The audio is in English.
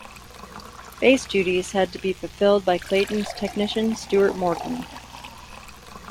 Bass duties had to be fulfilled by Clayton's technician Stuart Morgan.